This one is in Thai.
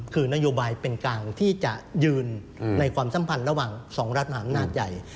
คือนโยบายเป็นกลางที่จะยืนในความสัมพันธ์ระหว่าง๒รัฐมหาอำนาจใหญ่